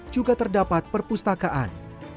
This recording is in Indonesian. juga terdapat perpustakaan